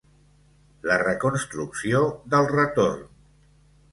La reconstrucció del retorn.